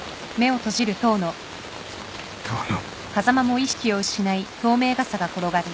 遠野。